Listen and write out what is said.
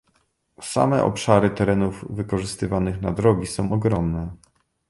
Same obszary terenów wykorzystywanych na drogi są ogromne